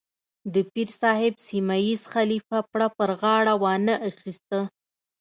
د پیر صاحب سیمه ییز خلیفه پړه پر غاړه وانه اخیسته.